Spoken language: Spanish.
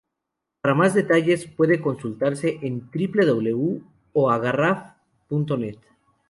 Para más detalles puede consultarse www.oagarraf.net